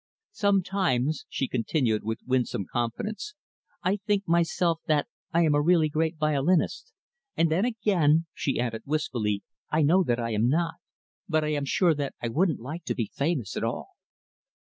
"Sometimes," she continued with winsome confidence, "I think, myself, that I am really a great violinist and then, again," she added wistfully, "I know that I am not. But I am sure that I wouldn't like to be famous, at all."